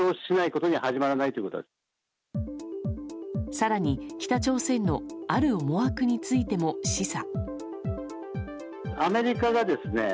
更に、北朝鮮のある思惑についても示唆。